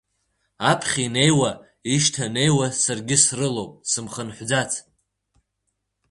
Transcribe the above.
Аԥхьа инеиуа, ишьҭанеиуа саргьы срылоуп сымхынҳәӡац.